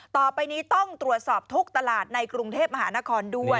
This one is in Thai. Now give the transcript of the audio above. ต่อไปนี้ต้องตรวจสอบทุกตลาดในกรุงเทพมหานครด้วย